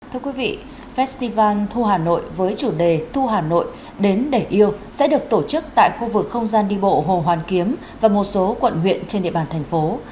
thưa quý vị festival thu hà nội với chủ đề thu hà nội đến để yêu sẽ được tổ chức tại khu vực không gian đi bộ hồ hoàn kiếm và một số quận huyện trên địa bàn thành phố